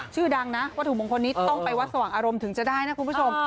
ชื่อดังนะวัตถุมงคลนี้ต้องไปวัดสว่างอารมณ์ถึงจะได้นะคุณผู้ชม